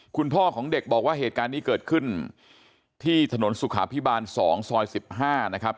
คุณพ่อของเด็กบอกว่าเหตุการณ์นี้เกิดขึ้นที่ถนนสุขาพิบาล๒ซอย๑๕นะครับ